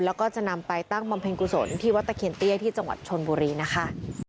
แล้วก็จะนำไปตั้งบำเพ็ญกุศลที่วัดตะเคียนเตี้ยที่จังหวัดชนบุรีนะคะ